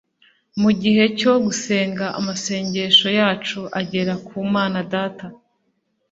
mugihe cyo gusenga amasengesho yacu agera ku Imana Data